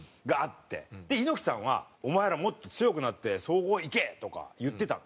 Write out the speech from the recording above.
で猪木さんは「お前らもっと強くなって総合行け！」とか言ってたの。